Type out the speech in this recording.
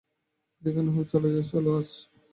যেখানে হোক চলে যাই চলো আজ রাত্রে।